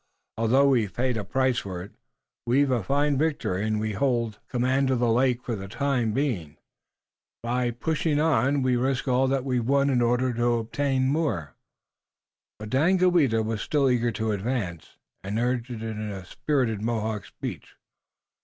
Although we've paid a price for it, we've a fine victory and we hold command of the lake for the time being. By pushing on we risk all we've won in order to obtain more." But Daganoweda was still eager to advance, and urged it in a spirited Mohawk speech.